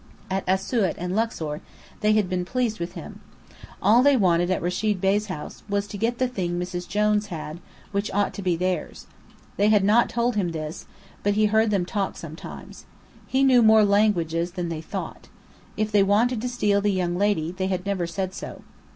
At Asiut and Luxor they had been pleased with him. All they wanted at Rechid Bey's house, was to get the thing Mrs. Jones had, which ought to be theirs. They had not told him this, but he heard them talk sometimes. He knew more languages than they thought. If they wanted to steal the young lady, they had never said so.